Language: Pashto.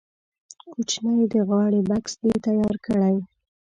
کوچنی د غاړې بکس دې تیار کړي.